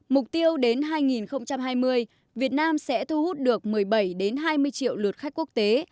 mục tiêu đến hai nghìn hai mươi việt nam sẽ thu hút được một mươi bảy hai mươi triệu lượt khách quốc tế